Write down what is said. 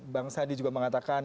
bang sadi juga mengatakan